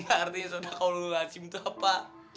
lo tau gak artinya sodakallahuladzim itu apa